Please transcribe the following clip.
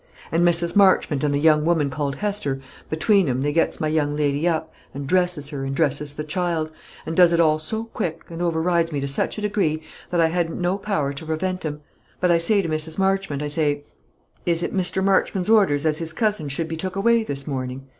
And Mrs. Marchmont and the young woman called Hester, between 'em they gets my young lady up, and dresses her, and dresses the child; and does it all so quick, and overrides me to such a degree, that I hadn't no power to prevent 'em; but I say to Mrs. Marchmont, I say: 'Is it Mr. Marchmont's orders as his cousin should be took away this morning?'